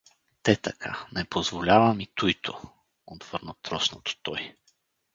— Те така, не позволявам и туй то — отвърна троснато той.